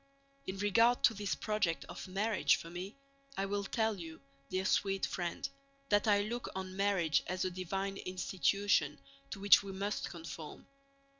In regard to this project of marriage for me, I will tell you, dear sweet friend, that I look on marriage as a divine institution to which we must conform.